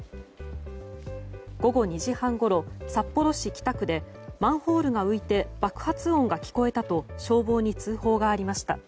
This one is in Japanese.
午後２時半ごろ札幌市北区でマンホールが浮いて爆発音が聞こえたと消防に通報がありました。